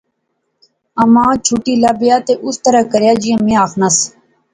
اماں چٹھی لبیا تے اس طرح کریا جیاں میں آخنیس